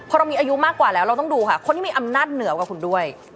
พอเรามีอายุมากกว่าแล้วเราต้องดูค่ะคนที่มีอำนาจเหนือกว่าคุณด้วย